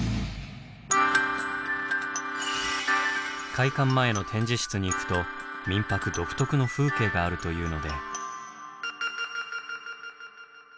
開館前の展示室に行くと「みんぱく」独特の風景があるというので。